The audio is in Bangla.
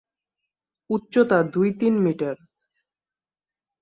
উচ্চতা দুই-তিন মিটার।